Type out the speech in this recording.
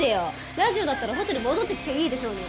ラジオだったらホテル戻って聴きゃいいでしょうに。